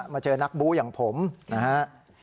มาเจอนักบู้อย่างผมนะฮะ